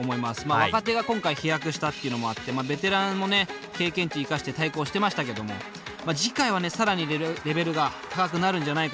若手が今回飛躍したっていうのもあってベテランも経験値生かして対抗してましたけども次回は更にレベルが高くなるんじゃないかなというふうに思います。